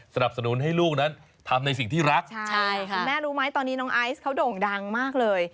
สนับสนุนให้ลูกนั้นทำในสิ่งที่รักใช่คุณแม่รู้ไหมตอนนี้น้องไอซ์เขาโด่งดังมากเลย